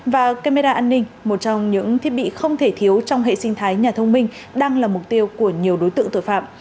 và camera an ninh một trong những thiết bị không thể thiếu trong hệ sinh thái nhà thông minh đang là mục tiêu của nhiều đối tượng tội phạm